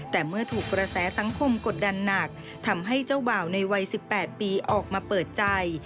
แต่เมื่อถูกกระแสสังคมกดดันหนักทำให้เจ้าบ่าวในวัย๑๘ปีออกมาเปิดใจ